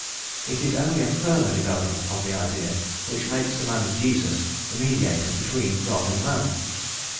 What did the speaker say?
It is only a further development of the idea which makes the man Jesus the Mediator between God and man.